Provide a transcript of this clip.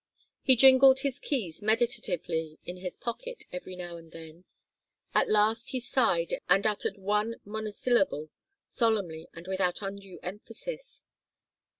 He jingled his keys meditatively in his pocket every now and then. At last he sighed and uttered one monosyllable, solemnly and without undue emphasis.